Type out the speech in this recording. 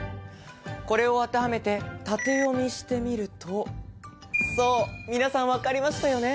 これを当てはめて縦読みしてみると、そう、皆さん分かりましたよね？